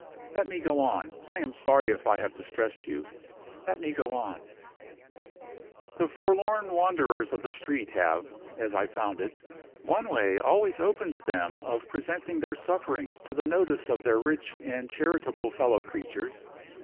"Let me go on. I am sorry if I have distressed you. Let me go on. "The forlorn wanderers of the streets have (as I found it) one way always open to them of presenting their sufferings to the notice of their rich and charitable fellow creatures.